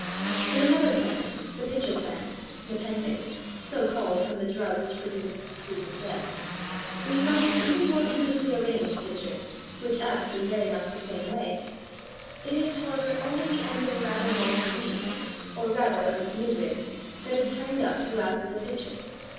" Dennett. In another plant, the Pitcher Plant (Nepenthes, so called from the drug which produces the sleep of death), we find an even more beautifully arranged pitcher which acts in very much the same way. It is, however, only the end of a rather long leaf, or rather of its midrib, that is turned up to act as a pitcher.